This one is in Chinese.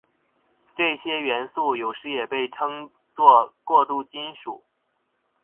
这些元素有时也被称作过渡金属。